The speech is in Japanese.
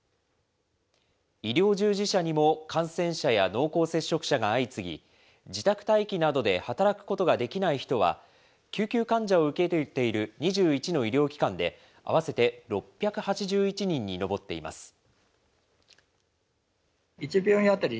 医療従事者にも感染者や濃厚接触者が相次ぎ、自宅待機などで働くことができない人は、救急患者を受け入れている２１の医療機関で合わせて６８１人に上っています。